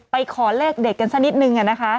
ไปขอเลขเด็กกันซะนิดนึง